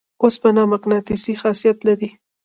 اوسپنه مقناطیسي خاصیت لري.